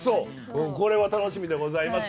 これは楽しみでございます。